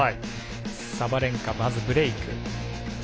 サバレンカ、まずブレーク。